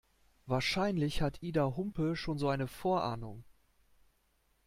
Wahrscheinlich hat Ida Humpe schon so eine Vorahnung.